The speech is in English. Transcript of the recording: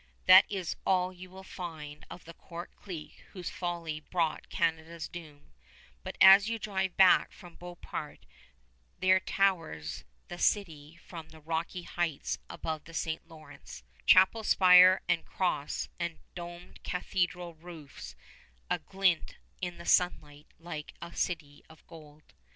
That is all you will find of the court clique whose folly brought Canada's doom; but as you drive back from Beauport there towers the city from the rocky heights above the St. Lawrence, chapel spire and cross and domed cathedral roofs aglint in the sunlight like a city of gold.